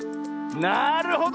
なるほど！